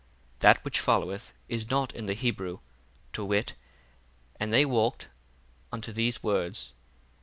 That which followeth is not in the Hebrew, to wit, And they walked—unto these words.